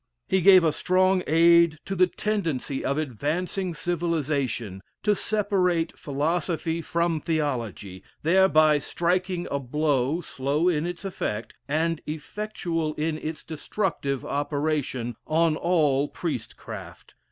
He gave a strong aid to the tendency of advancing civilization, to separate philosophy from theology, thereby striking a blow, slow in its effect, and effectual in its destructive operation, on all priestcraft.